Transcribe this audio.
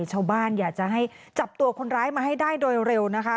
ชาวบ้านอยากจะให้จับตัวคนร้ายมาให้ได้โดยเร็วนะคะ